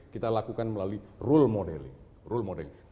kita lakukan melalui rule modeling